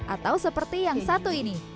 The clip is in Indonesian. atau seperti yang satu ini